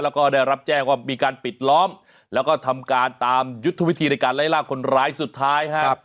แล้วก็ได้รับแจ้งว่ามีการปิดล้อมแล้วก็ทำการตามยุทธวิธีในการไล่ลากคนร้ายสุดท้ายครับ